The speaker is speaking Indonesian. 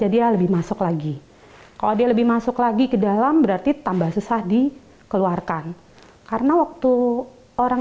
protests bim minatgo komentar ini telinga uji diri kan kalau disini yang dipimpin gern koordinator